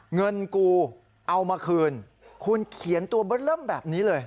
เงินกู้เอามาคืนคุณเขียนตัวแบบนี้เลย